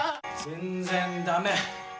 全然ダメ。